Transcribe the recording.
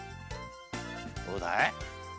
どうだい？